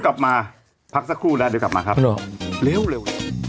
กลับมาพักสักครู่แล้วเดี๋ยวกลับมาครับเร็ว